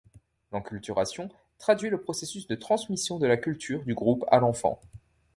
L'enculturation traduit le processus de transmission de la culture du groupe à l'enfant.